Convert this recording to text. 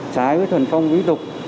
trái với thuần phong quý tục